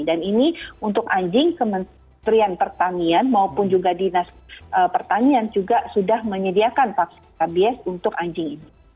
dan ini untuk anjing kementerian pertanian maupun juga dinas pertanian juga sudah menyediakan vaksin rabies untuk anjing ini